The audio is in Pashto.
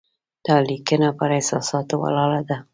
دا لیکنه پر احساساتو ولاړه ده.